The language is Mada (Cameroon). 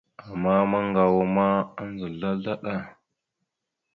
Ama maŋgawa ma andza slaslaɗa.